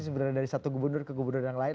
sebenarnya dari satu gubernur ke gubernur yang lain